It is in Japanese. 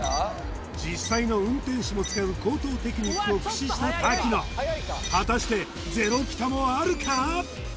実際の運転士も使う高等テクニックを駆使した瀧野果たしてゼロピタもあるか？